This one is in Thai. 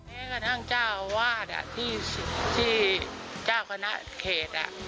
แม้กระทั่งเจ้าอาวาสที่เจ้าคณะเขต